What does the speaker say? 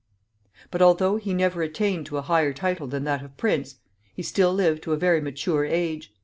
But, although he never attained to a higher title than that of prince, he still lived to a very mature age.